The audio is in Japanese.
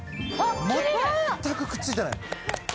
全くくっついてない。